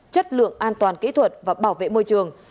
chất lượng an toàn kỹ thuật và bảo vệ môi trường